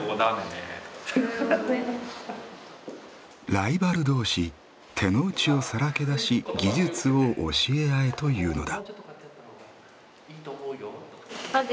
「ライバル同士手の内をさらけ出し技術を教え合え」というのだ。